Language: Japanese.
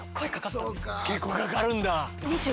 結構かかるんだ！？